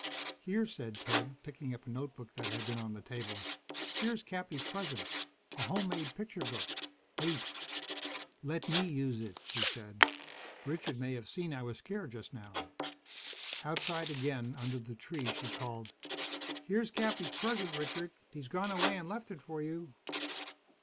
"Here," said Ted, picking up a notebook that had been on the table. "Here's Cappy's present. A homemade picture book. Bait." "Let me use it!" she said. "Richard may have seen I was scared just now." Outside again, under the tree, she called, "Here's Cappy's present, Richard. He's gone away and left it for you."